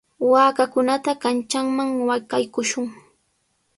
Waakakunata kanchanman qaykushun.